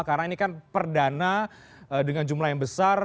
karena ini kan perdana dengan jumlah yang besar